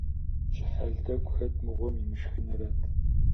Щыхьэл тӀэкӀу хэт мыгъуэм имышхынрэт!